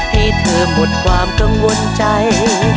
ให้เธอหมดความกังวลใจ